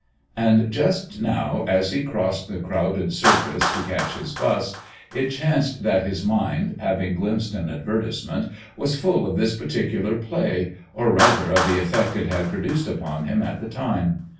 And just now, as he crossed the crowded Circus to catch his 'bus, it chanced that his mind (having glimpsed an advertisement) was full of this particular Play, or, rather, of the effect it had produced upon him at the time.